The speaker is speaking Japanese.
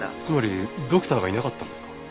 つまりドクターがいなかったんですか？